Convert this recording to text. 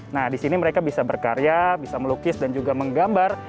nah di sini mereka bisa berkarya bisa melukis dan juga menggambar